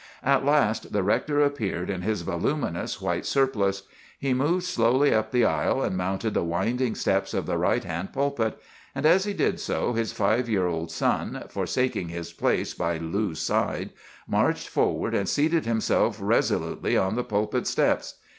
"At last the rector appeared in his voluminous white surplice. He moved slowly up the aisle, and mounted the winding steps of the right hand pulpit; and as he did so his five year old son, forsaking his place by Lou's side, marched forward and seated himself resolutely on the pulpit steps.